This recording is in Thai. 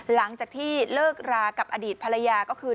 หลังจากที่เลิกรากับอดีตภรรยาก็คือ